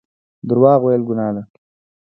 درواغ ویل ګناه ده